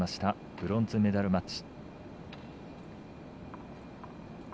ブロンズメダルマッチ。